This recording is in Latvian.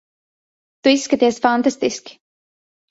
Tu izskaties fantastiski.